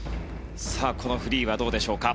このフリーはどうでしょうか。